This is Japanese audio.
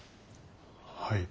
はい。